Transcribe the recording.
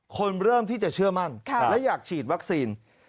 เริ่มที่จะเชื่อมั่นและอยากฉีดวัคซีน